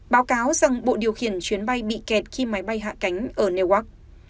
báo cáo rằng bộ điều khiển chuyến bay bị kẹt khi máy bay hạ cánh ở newark